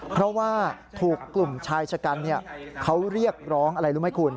เพราะว่าถูกกลุ่มชายชะกันเขาเรียกร้องอะไรรู้ไหมคุณ